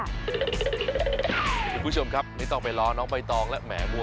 คุณผู้ชมครับไม่ต้องไปรอน้องใบตองและแหมัว